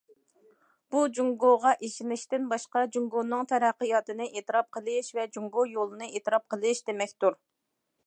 بۇ جۇڭگوغا ئىشىنىشتىن باشقا، جۇڭگونىڭ تەرەققىياتىنى ئېتىراپ قىلىش ۋە جۇڭگو يولىنى ئېتىراپ قىلىش دېمەكتۇر.